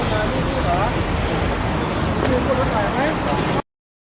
สัญญาณครับสัญญาณนั่นค่ะ